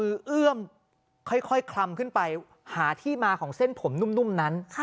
เอื้อมค่อยคลำขึ้นไปหาที่มาของเส้นผมนุ่มนั้น